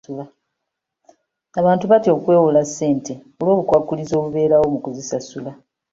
Abantu batya okwewola ssente olw'obukwakkulizo obubeerawo mu kuzisasula.